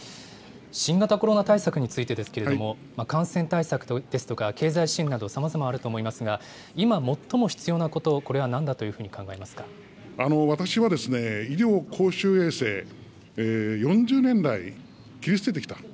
新型コロナ対策についてですけれども、感染対策ですとか、経済支援などさまざまあると思いますが、今最も必要なこと、これは私は医療公衆衛生、４０年来、切り捨ててきた。